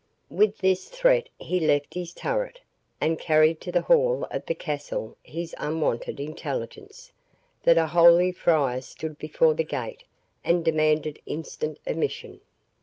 With this threat he left his turret, and carried to the hall of the castle his unwonted intelligence, that a holy friar stood before the gate and demanded instant admission.